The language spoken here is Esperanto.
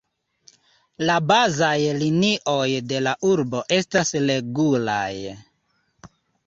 La bazaj linioj de la urbo estas regulaj.